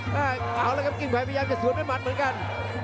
กลิ้งไพก็จะสวนด้วยมัดเหมือนกัน